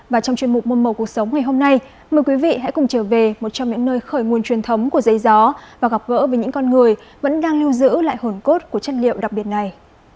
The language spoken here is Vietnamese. và trong chuyên mục môn màu cuộc sống ngày hôm nay mời quý vị hãy cùng trở về một trong những nơi khởi nguồn truyền thống của dây gió và gặp gỡ với những con người vẫn đang lưu giữ lại hồn cốt của chất liệu đặc biệt này